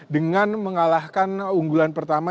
dengan mengalahkan unggulan pertama